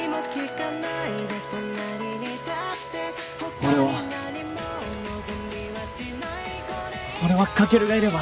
俺は俺はカケルがいれば